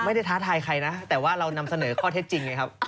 ท้าทายใครนะแต่ว่าเรานำเสนอข้อเท็จจริงไงครับ